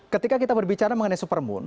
ketika kita berbicara mengenai supermoon